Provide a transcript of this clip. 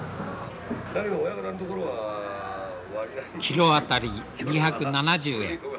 キロ当たり２７０円。